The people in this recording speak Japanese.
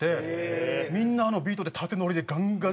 みんなあのビートで縦乗りでガンガンに。